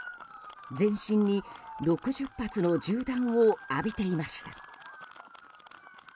全身に６０発の銃弾を浴びていました。